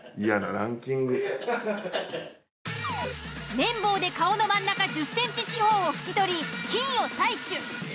綿棒で顔の真ん中１０ｃｍ四方を拭き取り菌を採取。